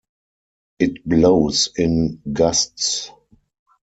It blows in gusts.